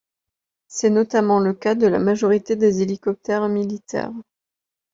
C'est notamment le cas de la majorité des hélicoptères militaires.